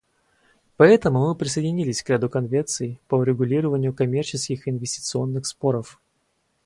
Поэтому мы присоединились к ряду конвенций по урегулированию коммерческих и инвестиционных споров.